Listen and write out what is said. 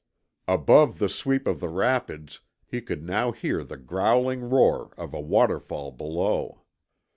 Above the sweep of the rapids he could now hear the growling roar of a waterfall below.